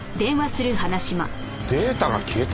データが消えた？